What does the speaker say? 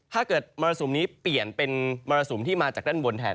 ถ้าเกิดมรสุมนี้เปลี่ยนเป็นมรสุมที่มาจากด้านบนแทน